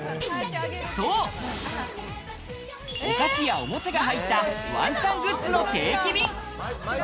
そう、お菓子やおもちゃが入ったワンちゃんグッズの定期便。